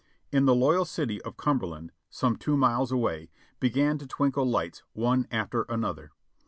In the loyal city of Cumberland, some two miles away, began to twinkle lights one after another.